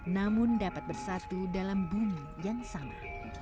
namun dapat bersatu dalam bumi yang sama